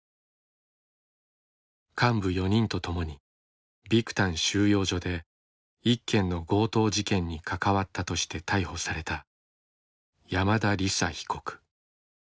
幹部４人と共にビクタン収容所で１件の強盗事件に関わったとして逮捕された山田李沙被告。